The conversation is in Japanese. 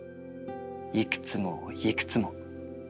いくつもいくつも。